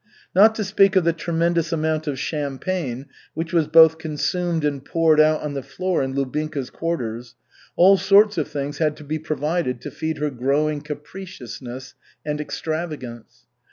Not to speak of the tremendous amount of champagne which was both consumed and poured out on the floor in Lubinka's quarters, all sorts of things had to be provided to feed her growing capriciousness and extravagance.